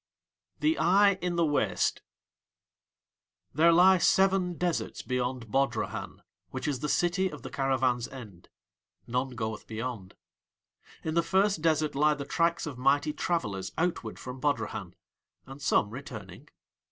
THE EYE IN THE WASTE There lie seven deserts beyond Bodrahan, which is the city of the caravans' end. None goeth beyond. In the first desert lie the tracks of mighty travellers outward from Bodrahan, and some returning.